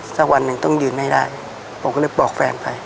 สักวันหนึ่งต้องยืนให้ได้ผมก็เลยบอกแฟนไป